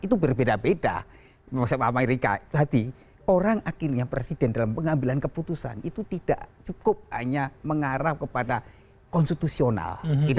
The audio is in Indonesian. itu berbeda beda konsep amerika tadi orang akhirnya presiden dalam pengambilan keputusan itu tidak cukup hanya mengarah kepada konstitusional